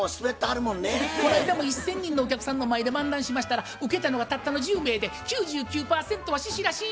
こないだも１，０００人のお客さんの前で漫談しましたらウケたのはたったの１０名で９９％はししらしん。